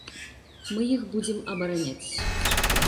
Мы іх будзем абараняць.